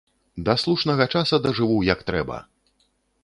Да слушнага часу дажыву як трэба!